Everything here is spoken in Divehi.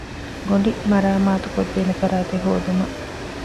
ގޮނޑި މަރާމާތުކޮށްދޭނެ ފަރާތެއް ހޯދުމަށް